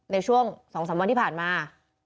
ในช่วง๒๓วันที่ผ่านมา